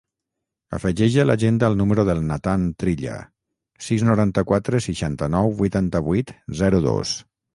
Afegeix a l'agenda el número del Nathan Trilla: sis, noranta-quatre, seixanta-nou, vuitanta-vuit, zero, dos.